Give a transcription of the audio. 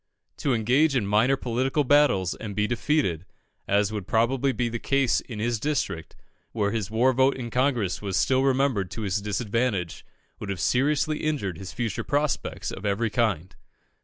To engage in minor political battles and be defeated, as would probably be the case in his district, where his war vote in Congress was still remembered to his disadvantage, would have seriously injured his future prospects of every kind.